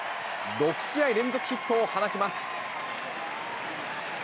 ６試合連続ヒットを放ちます。